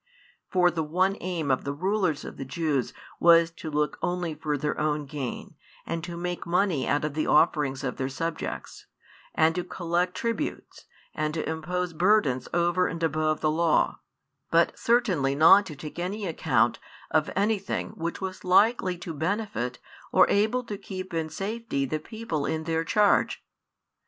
For the one aim of the rulers of the Jews was to look only for their own gain, and to make money out of the offerings of their subjects, and to collect tributes, and to impose burdens over and above the law, but certainly not to take any account of anything which was likely to benefit or able to keep in safety the people in their charge.